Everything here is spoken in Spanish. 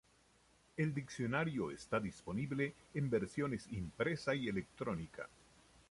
El diccionario está disponible en versiones impresa y electrónica.